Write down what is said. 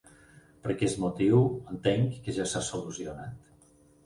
Per aquest motiu, entenc que ja s'ha solucionat.